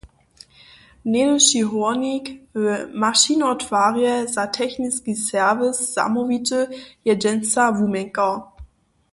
Něhdyši hórnik, w mašinotwarje za techniski serwis zamołwity, je dźensa wuměnkar.